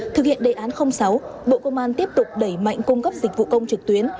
thực hiện đề án sáu bộ công an tiếp tục đẩy mạnh cung cấp dịch vụ công trực tuyến